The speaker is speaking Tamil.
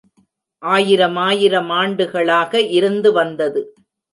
ஆயிரமாயிரம் ஆண்டுகளாக இருந்து வந்தது.